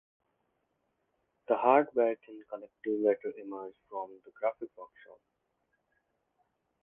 The Hard Werken collective later emerged from the graphic workshop.